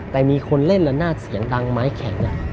แต่มีคนเล่นละนาดเสียงดังไม้แข็ง